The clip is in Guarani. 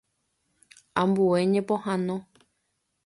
Ambue ñepohãno.